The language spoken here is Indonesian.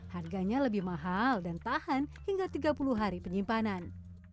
harganya lebih mahal dan tahan hingga tiga puluh hari penyimpanan